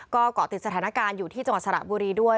ก็เกาะติดสถานการณ์อยู่ที่จังหวัดสระบุรีด้วย